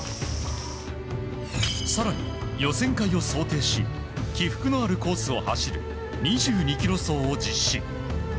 更に、予選会を想定し起伏のあるコースを走る２２ｋｍ走を実施。